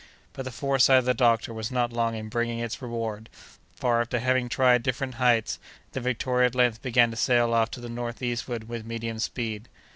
But the foresight of the doctor was not long in bringing its reward; for, after having tried different heights, the Victoria at length began to sail off to the northeastward with medium speed.